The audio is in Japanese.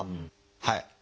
はい。